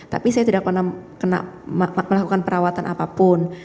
tapi saya tidak pernah kena melakukan perawatan apapun